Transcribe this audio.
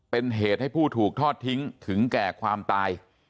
เป็นเหตุให้ผู้ถูกทอดทิ้งถึงแก่ความตาย